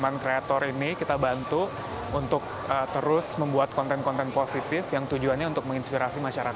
jadi kita berharap dengan teman teman kreator ini kita bantu untuk terus membuat konten konten positif yang tujuannya untuk menginspirasi masyarakat